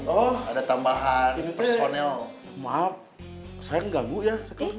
oh ada tambahan ini personel maaf saya ganggu ya